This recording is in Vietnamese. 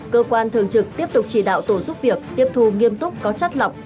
cơ quan thường trực tiếp tục chỉ đạo tổ giúp việc tiếp thu nghiêm túc có chất lọc